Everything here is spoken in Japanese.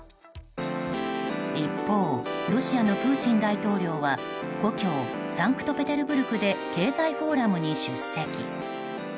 一方、ロシアのプーチン大統領は故郷サンクトペテルブルクで経済フォーラムに出席。